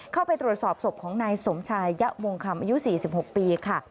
เข้าไปตรวจสอบศพของนายสมชายยะวงคำอายุ๔๖ปีค่ะ